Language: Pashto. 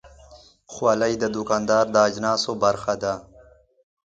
خولۍ د دوکاندار د اجناسو برخه ده.